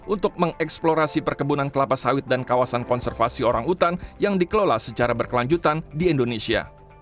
untuk mengeksplorasi perkebunan kelapa sawit dan kawasan konservasi orang utan yang dikelola secara berkelanjutan di indonesia